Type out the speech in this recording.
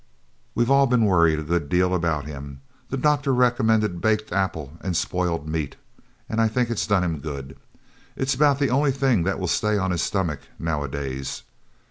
We've all been worried a good deal about him. The doctor recommended baked apple and spoiled meat, and I think it done him good. It's about the only thing that will stay on his stomach now a days.